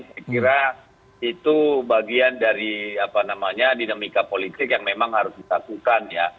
saya kira itu bagian dari dinamika politik yang memang harus dilakukan ya